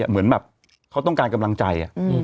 เหมือนแบบเขาต้องการกำลังใจ